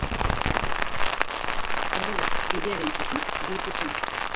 Horrela, Bidearen ikur bihurtu zen.